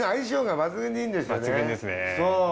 抜群ですね。